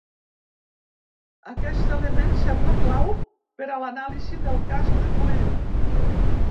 Aquest element sembla clau per a l'anàlisi del casc de cuir.